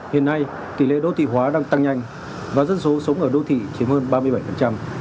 hiện nay tỷ lệ đô thị hóa đang tăng nhanh và dân số sống ở đô thị chiếm hơn ba mươi bảy